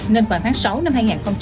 nên vào tháng sáu năm hai nghìn hai mươi